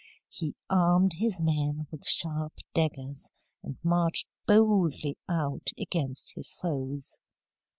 He armed his men with sharp daggers, and marched boldly out against his foes.